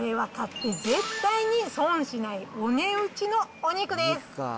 これは買って絶対に損しないお値打ちのお肉です。